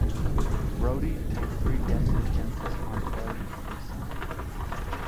Brodie made three guest appearances on "Perry Mason".